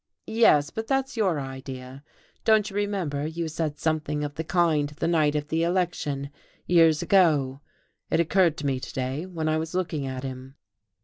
"Yes. But that's your idea. Don't you remember you said something of the kind the night of the election, years ago? It occurred to me to day, when I was looking at him."